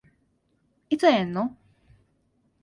いつ会えんの？